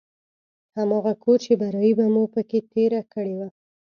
هماغه کور چې برايي به مو په کښې تېره کړې وه.